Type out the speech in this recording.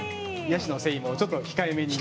ヤシの繊維をちょっと控えめに。